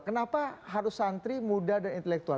kenapa harus santri muda dan intelektual